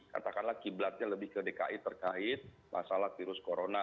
katakanlah kiblatnya lebih ke dki terkait masalah virus corona